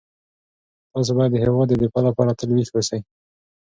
تاسو باید د هیواد د دفاع لپاره تل ویښ اوسئ.